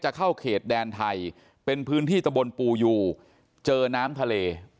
เข้าเขตแดนไทยเป็นพื้นที่ตะบนปูยูเจอน้ำทะเล